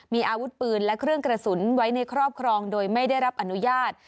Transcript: มีอาวุธปืนและเครื่องกระสุนไว้ในครอบครองโดยไม่ได้รับอนุญาต